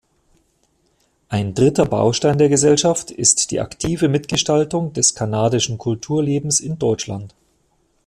Ein dritter Baustein der Gesellschaft ist die aktive Mitgestaltung des kanadischen Kulturlebens in Deutschland.